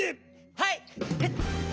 はい！